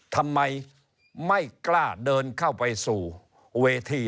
ทำไมไม่กล้าเดินเข้าไปสู่เวที